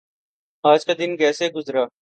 آج کا دن کیسے گزرا؟